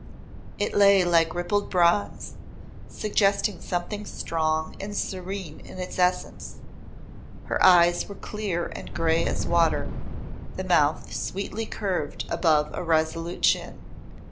It lay like rippled bronze, suggesting something strong and serene in its essence. Her eyes were clear and gray as water, the mouth sweetly curved above a resolute chin.